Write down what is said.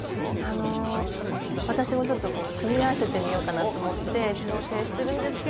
あの私もちょっと組み合わせてみようかなって思って挑戦してるんですけど。